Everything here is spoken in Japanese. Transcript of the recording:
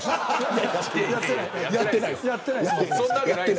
やってないです。